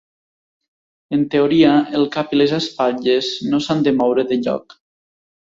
En teoria, el cap i les espatlles no s'han de moure de lloc.